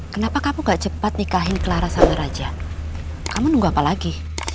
kenapa kamu gak cepat nikahin clara sama raja kamu nunggu apa lagi